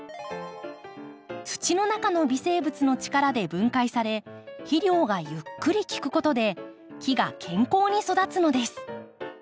土の中の微生物の力で分解され肥料がゆっくり効くことで木が健康に育つのです。